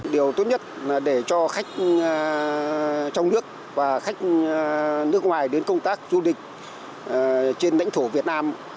điều tốt nhất để cho khách trong nước và khách nước ngoài đến công tác du lịch trên lãnh thổ việt nam